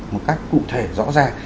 một cách cụ thể rõ ràng